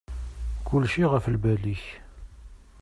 Kulci ɣef lbal-ik.